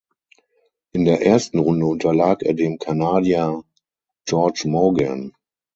In der ersten Runde unterlag er dem Kanadier George Maughan.